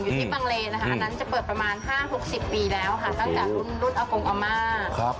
อยู่ที่บางเลนะครับ